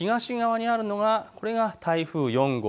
東側にあるのが台風４号。